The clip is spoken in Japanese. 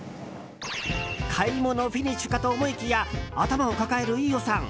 買い物フィニッシュかと思いきや、頭を抱える飯尾さん。